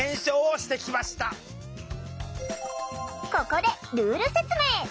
ここでルール説明！